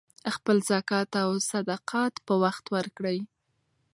خپل زکات او صدقات په وخت ورکړئ.